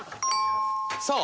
さあ。